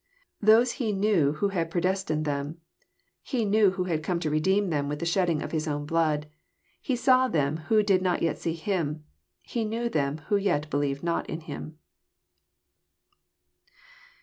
These He knew who had predestinated them: He knew who had come to re deem them with the shedding of His own blood. He saw them who did not yet see Him: He knew them who yet believed not in Him."